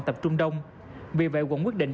tập trung đông vì vậy quận quyết định